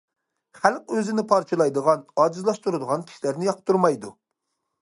خەلق ئۆزىنى پارچىلايدىغان، ئاجىزلاشتۇرىدىغان كىشىلەرنى ياقتۇرمايدۇ.